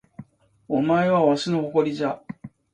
お前はわしの誇りじゃ